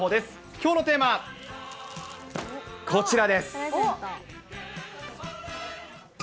きょうのテーマは、こちらです。